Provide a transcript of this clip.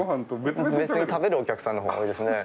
別で食べるお客さんの方が多いですね。